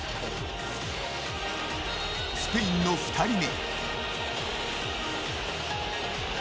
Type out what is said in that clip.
スペインの２人目。